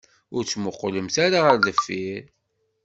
Ur ttmuqulemt ara ɣer deffir.